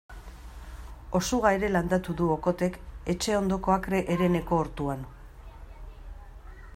Osuga ere landatu du Okothek etxe ondoko akre hereneko ortuan.